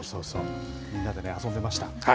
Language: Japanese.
みんなでね、遊んでました。